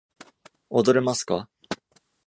踊れますか？